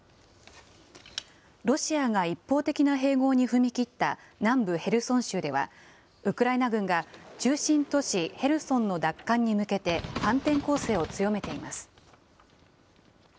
ロシアが一方的な併合に踏み切った南部ヘルソン州では、ウクライナ軍が中心都市ヘルソンの奪還に向けて、反転攻勢を強めています。